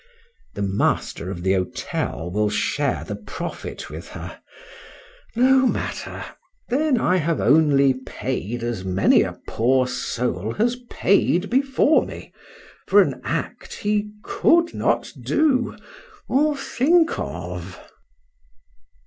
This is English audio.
—The master of the hotel will share the profit with her;—no matter,—then I have only paid as many a poor soul has paid before me, for an act he could not do, or think of.